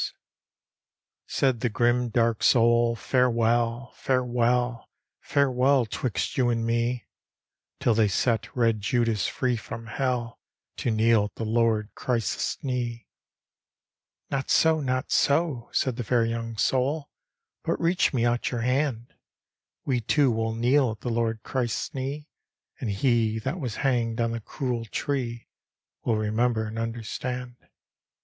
D,gt,, erihyGOOglC Night at Gettysburg Said the grim dark soul, " Farewell, farewell, Farewell 'twist you and me Till they set red Judas free from Hell To kneel at the Lord Christ's kneel "" Not so, not so," said the fair young soul, " But reach me out your hand : We two will kneel at the Lord Christ's knee, And he that was hanged on the cruel tree Will remember and understand.